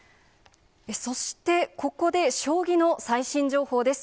そしてここで、将棋の最新情報です。